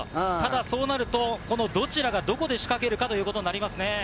そうなるとどちらかがどこで仕掛けるかということになります。